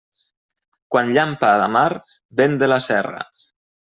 Quan llampa a la mar, vent de la serra.